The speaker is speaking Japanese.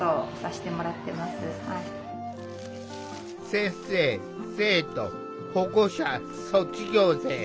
先生生徒保護者卒業生。